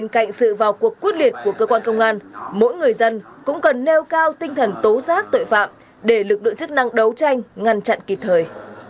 cũng cần nêu cao tinh thần tố giác tội phạm để lực lượng chức năng đấu tranh ngăn chặn kịp thời